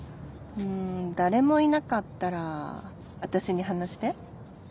うん誰もいなかったら私に話して